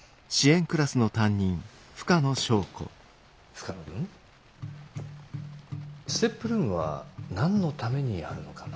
深野君ＳＴＥＰルームは何のためにあるのかな？